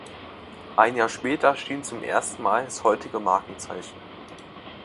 Ein Jahr später erschien zum ersten Mal das heutige Markenzeichen.